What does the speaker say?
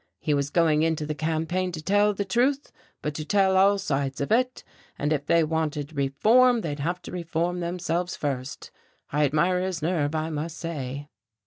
He was going into this campaign to tell the truth, but to tell all sides of it, and if they wanted reform, they'd have to reform themselves first. I admired his nerve, I must say."